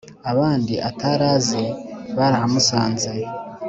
abandi atari azi barahamusanze.